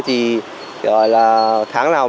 thì gọi là tháng nào